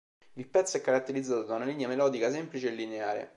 Il pezzo è caratterizzato da una linea melodica semplice e lineare.